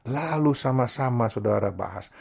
lalu sama sama saudara bahas